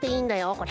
これ。